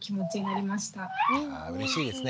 いやうれしいですね。